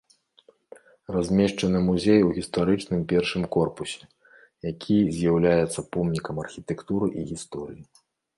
Размешчаны музей у гістарычным першым корпусе, які з'яўляецца помнікам архітэктуры і гісторыі.